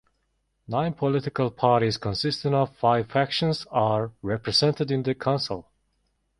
Nine political parties consisting of five factions are represented in the Council.